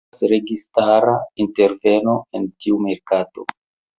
Ne estas registara interveno en tiu merkato.